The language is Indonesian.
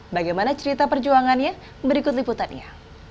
bagaimana cerita perjuangannya berikut liputannya